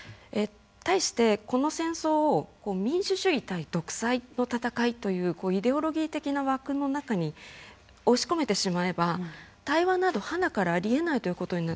対してこの戦争を民主主義対独裁の戦いというイデオロギー的な枠の中に押し込めてしまえば対話などはなからありえないということになってしまう。